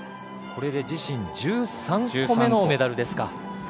これで自身１３個目のメダルですか。